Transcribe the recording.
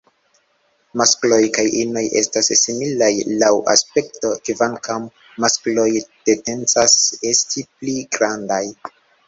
Maskloj kaj inoj estas similaj laŭ aspekto, kvankam maskloj tendencas esti pli grandaj.